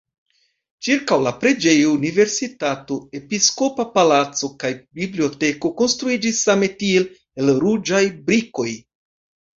Ĉirkaŭ la preĝejo universitato, episkopa palaco kaj biblioteko konstruiĝis same tiel el ruĝaj brikoj.